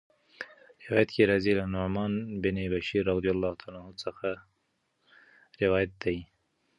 روايت کي راځي: له نعمان بن بشير رضي الله عنه څخه روايت دی